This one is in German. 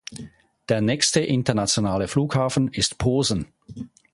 Der nächste internationale Flughafen ist Posen.